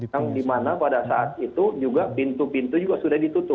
yang dimana pada saat itu juga pintu pintu juga sudah ditutup